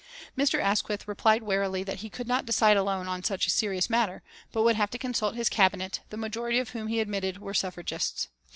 Mr. Asquith replied warily that he could not decide alone on such a serious matter, but would have to consult his Cabinet, the majority of whom, he admitted, were suffragists.